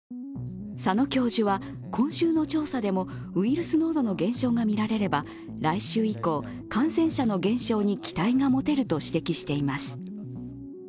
佐野教授は今週の調査でもウイルス濃度の減少が見られれば来週以降、感染者の減少に期待が持てると指摘しています。